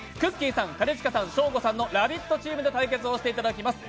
さん、兼近さん、ショーゴさんの「ラヴィット！」チームで対決していただきます。